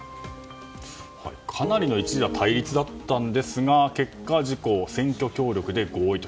かなりの対立だったんですが結果、自公選挙協力で合意と。